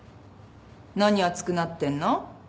何熱くなってんの？